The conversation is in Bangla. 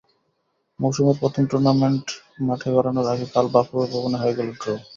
মৌসুমের প্রথম টুর্নামেন্ট মাঠে গড়ানোর আগে কাল বাফুফে ভবনে হয়ে গেল ড্র।